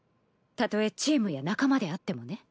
たとえチームや仲間であってもね。